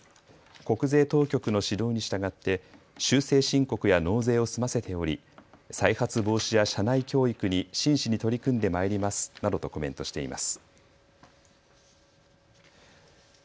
国税当局の指導に従って修正申告や納税を済ませており再発防止や社内教育に真摯に取り組んで参りますなどとコメントしています。